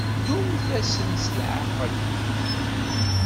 Ddumt-asen s leɛqel.